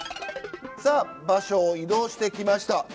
さあ場所を移動してきました。